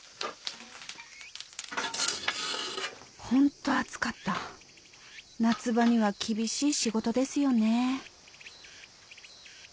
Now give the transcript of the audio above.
ホントあつかった夏場には厳しい仕事ですよねぇ